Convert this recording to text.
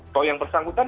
kalau yang bersangkutan